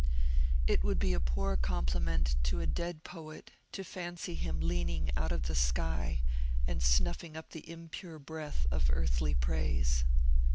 It would be a poor compliment to a dead poet to fancy him leaning out of the sky and snuffing up the impure breath of earthly praise.